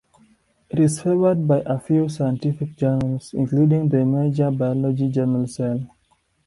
It is favored by a few scientific journals, including the major biology journal Cell.